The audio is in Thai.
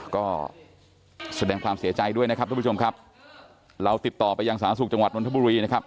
ก็แสดงความเสียใจด้วยนะครับทุกผู้ชมครับเราติดต่อไปยังสาธารณสุขจังหวัดนทบุรีนะครับ